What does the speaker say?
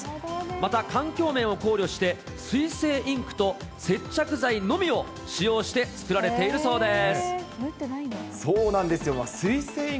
また環境面を考慮して、水性インクと接着剤のみを使用して作られているそうです。